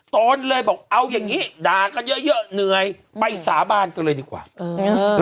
ตนเลยบอกเอาอย่างงี้ด่ากันเยอะเยอะเหนื่อยไปสาบานกันเลยดีกว่าเออ